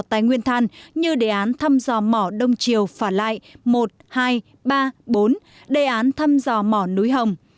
tài nguyên than như đề án thăm dò mỏ đông triều phả lại một nghìn hai mươi ba bốn đề án thăm dò mỏ núi hồng